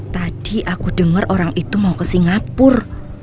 tadi aku dengar orang itu mau ke singapura